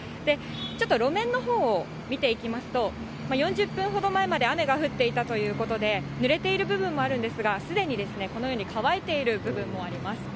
ちょっと路面のほうを見ていきますと、４０分ほど前まで雨が降っていたということで、ぬれている部分もあるんですが、すでにこのように乾いている部分もあります。